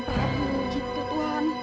tahu gitu tuhan